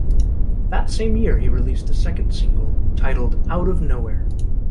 That same year he released a second single titled "Out Of Nowhere".